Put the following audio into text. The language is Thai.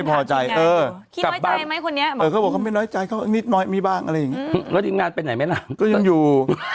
พี่น้อยใจไหมพี่ถามอยู่